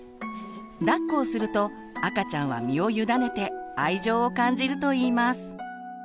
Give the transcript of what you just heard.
だっこをすると赤ちゃんは身を委ねて愛情を感じるといいます。